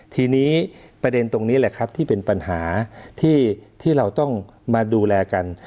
ทีนี้ประเด็นตรงนี้แหละครับที่เป็นปัญหาที่เราต้องมาดูแลกัน